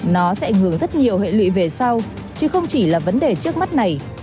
nó sẽ ảnh hưởng rất nhiều hệ lụy về sau chứ không chỉ là vấn đề trước mắt này